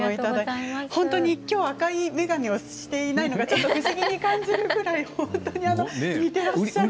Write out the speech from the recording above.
きょうは赤い眼鏡をしていないのがちょっと不思議に感じるくらい似ていらっしゃる。